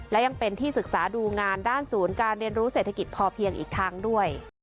และยังเป็นที่ศึกษาดูงานด้านศูนย์การเรียนรู้เศรษฐกิจพอเพียงอีกทางด้วย